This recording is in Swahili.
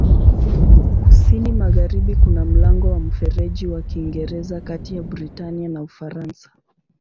Kusini-magharibi kuna mlango wa Mfereji wa Kiingereza kati ya Britania na Ufaransa.